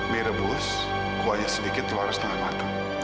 mie rebus kuahnya sedikit telurnya setengah mateng